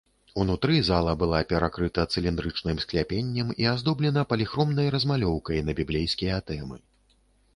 Унутры зала была перакрыта цыліндрычным скляпеннем і аздоблена паліхромнай размалёўкай на біблейскія тэмы.